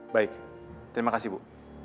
baik terima kasih bu